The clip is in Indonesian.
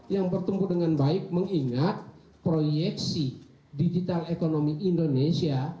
yang bertumbuh dengan baik mengingat proyeksi digital ekonomi indonesia